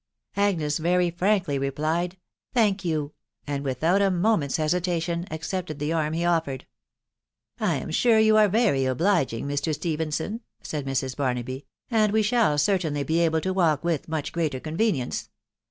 Agnes very frankly replied, €€ Thank you !" and without a moment's hesitation accepted the arm he offered. " I am sure you are very obliging, Mr. Stephenson," said Mrt. Barnaby, " and we shall certainly be able to walk with much greater convenience.